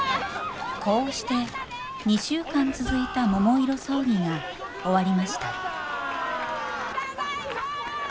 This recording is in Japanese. こうして２週間続いた桃色争議が終わりましたただいま！